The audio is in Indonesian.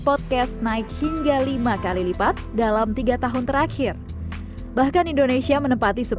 podcast naik hingga lima kali lipat dalam tiga tahun terakhir bahkan indonesia menempati